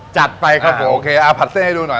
จัดไปครับผมโอเคเอาผัดเส้นให้ดูหน่อย